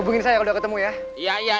hubungin saya udah ketemu ya